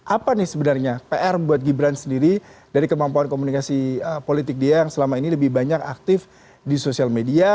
apa nih sebenarnya pr buat gibran sendiri dari kemampuan komunikasi politik dia yang selama ini lebih banyak aktif di sosial media